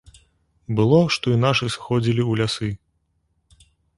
Было, што і нашы сыходзілі ў лясы.